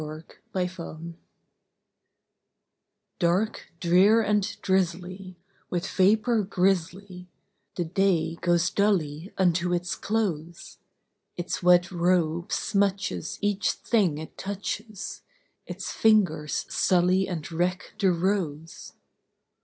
A WET DAY Dark, drear, and drizzly, with vapor grizzly, The day goes dully unto its close; Its wet robe smutches each thing it touches, Its fingers sully and wreck the rose.